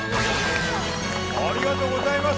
ありがとうございます。